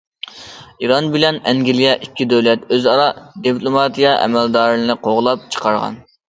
ئىران بىلەن ئەنگلىيە ئىككى دۆلەت ئۆزئارا دىپلوماتىيە ئەمەلدارلىرىنى قوغلاپ چىقارغان.